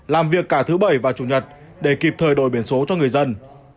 làm việc cả thứ bảy và chủ nhật để kịp thời đổi biển số cho người dân